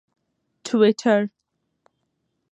ټویټر